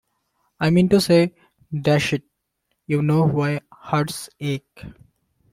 I mean to say — dash it, you know why hearts ache!